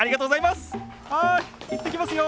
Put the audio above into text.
はい行ってきますよ。